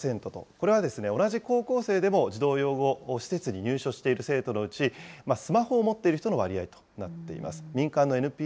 これは同じ高校生でも児童養護施設に入所している生徒のうち、スマホを持っている人の割合となっています。